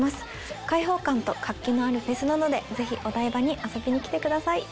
解放感と活気のあるフェスなのでぜひお台場に遊びに来てください。